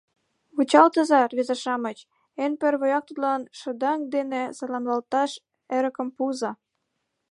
— Вучалтыза, рвезе-шамыч, эн первояк тудлан шыдаҥ дене саламлалташ эрыкым пуыза.